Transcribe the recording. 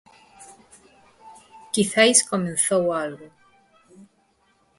Quizais comezou algo.